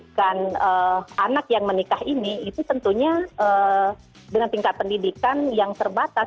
pendidikan anak yang menikah ini itu tentunya dengan tingkat pendidikan yang terbatas